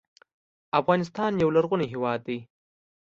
افغانستان یو لرغونی هیواد دی.